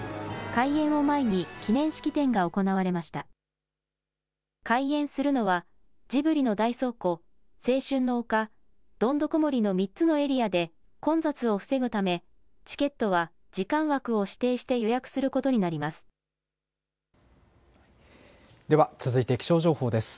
開園するのはジブリの大倉庫、青春の丘、どんどこ森の３つのエリアで混雑を防ぐためチケットは時間枠を指定して予約することになります。